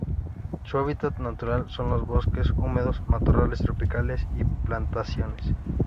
Su hábitat natural son los bosques húmedos, matorrales tropicales y plantaciones.